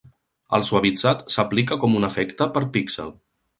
El suavitzat s'aplica com un efecte per píxel.